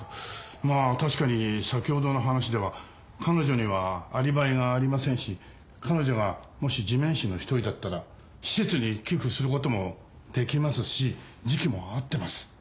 まあ確かに先ほどの話では彼女にはアリバイがありませんし彼女がもし地面師の一人だったら施設に寄付する事もできますし時期も合ってます。